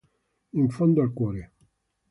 In fondo al cuore